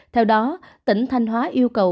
theo đó tỉnh thanh hóa yêu cầu